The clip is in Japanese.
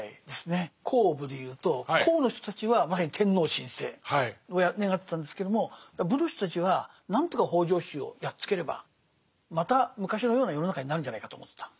「公」「武」で言うと「公」の人たちはまさに天皇親政を願ってたんですけども「武」の人たちは何とか北条氏をやっつければまた昔のような世の中になるんじゃないかと思ってた。